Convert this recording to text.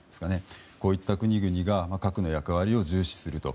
こういった国々が核の役割を重視すると。